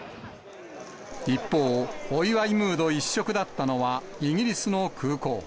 一方、お祝いムード一色だったのがイギリスの空港。